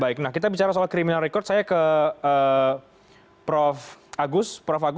baik kita bicara soal criminal record saya ke prof agus prof agus ini terbaru ya joko chandra